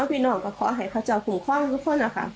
พี่น้องลั่นก็ขอให้พระจอบภูมิข้องทุกคนนะคะ